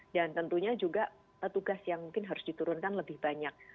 dan tentunya juga petugas yang mungkin harus diturunkan lebih banyak